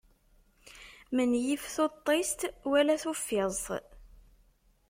Menyif tuṭṭist wala tuffiẓt.